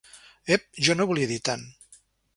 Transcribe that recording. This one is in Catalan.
Ep!, jo no volia dir tant.